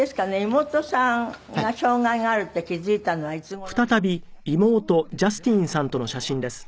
妹さんが障がいがあるって気付いたのはいつ頃なんですか？